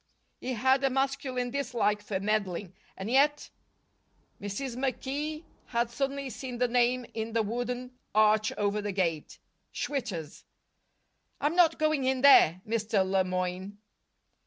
He had a masculine dislike for meddling, and yet Mrs. McKee had suddenly seen the name in the wooden arch over the gate: "Schwitter's." "I'm not going in there, Mr. Le Moyne."